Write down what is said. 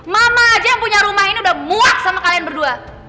mama aja yang punya rumah ini udah muak sama kalian berdua